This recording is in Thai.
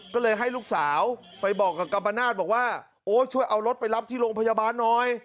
ก็เลยให้ลูกสาวไปบอกกับกัมปนาศบอกว่าโอ้ช่วยเอารถไปรับที่โรงพยาบาลหน่อย